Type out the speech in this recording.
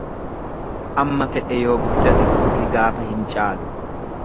Amma fedhe yoo guddate gurri gaafa hin caalu.